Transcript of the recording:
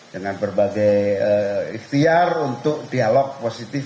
dengan berbagai ikhtiar untuk dialog positif